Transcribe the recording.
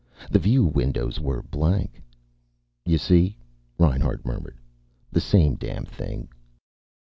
The view windows were blank. "You see?" Reinhart murmured. "The same damn thing!"